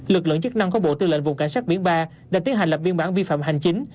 lực lượng chức năng của bộ tư lệnh vùng cảnh sát biển ba đã tiến hành lập biên bản vi phạm hành chính